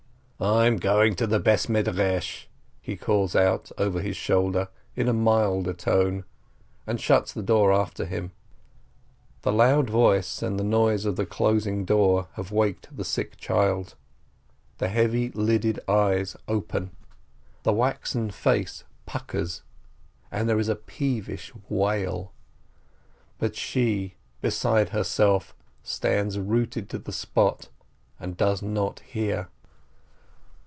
"I am going to the house of study !" he calls out over his shoulder in a milder tone, and shuts the door after him. The loud voice and the noise of the closing door have waked the sick child. The heavy lidded eyes open, the waxen face puckers, and there is a peevish wail. But she, beside herself, stands rooted to the spot, and does not hear.